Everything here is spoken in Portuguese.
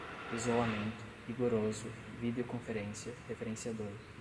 isolamento, rigoroso, videoconferência, referenciador